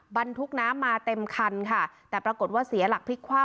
บรรทุกน้ำมาเต็มคันค่ะแต่ปรากฏว่าเสียหลักพลิกคว่ำ